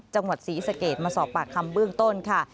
จังหวัดศรีสะเกดมาสอบปากคำเบื้องต้นค่ะ